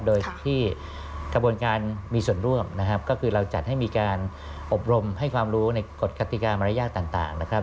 โดยที่กระบวนการมีส่วนร่วมนะครับก็คือเราจัดให้มีการอบรมให้ความรู้ในกฎกติกามารยาทต่างนะครับ